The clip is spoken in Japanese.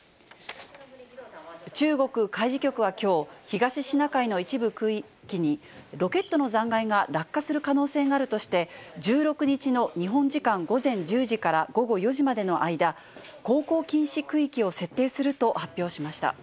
中国海事局はきょう、東シナ海の一部区域に、ロケットの残骸が落下する可能性があるとして、１６日の日本時間午前１０時から午後４時までの間、航行禁止区域を設定すると発表しました。